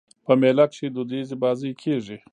په مېله کښي دودیزي بازۍ کېږي.